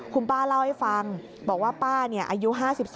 คุณป้าเล่าให้ฟังบอกว่าป้าอายุ๕๒